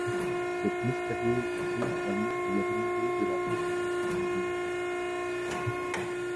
Cette mystérieuse jeune femme lui a demandé de la rejoindre dans un hôtel.